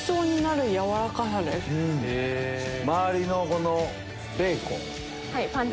周りのこのベーコン？